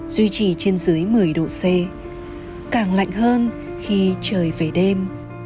duy trì trên dưới một mươi độ c càng lạnh hơn khi trời về đêm